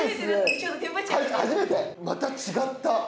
また違った。